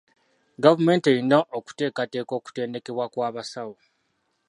Gavumenti eyina okuteekateka okutendekebwa kw'abasawo.